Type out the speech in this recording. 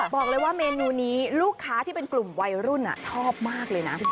บอกเลยว่าเมนูนี้ลูกค้าที่เป็นกลุ่มวัยรุ่นชอบมากเลยนะ